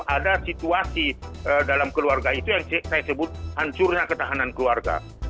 ada situasi dalam keluarga itu yang saya sebut hancurnya ketahanan keluarga